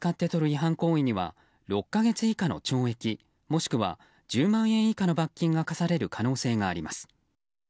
違反行為には６か月以下の懲役もしくは１０万円以下の罰金が科される可能性があります。